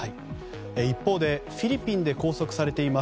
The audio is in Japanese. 一方でフィリピンで拘束されています